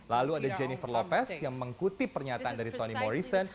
lalu ada jennifer lopez yang mengkuti pernyataan dari toni morrison